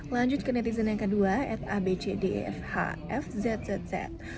lanjut ke netizen yang kedua ed abcdefhfzzz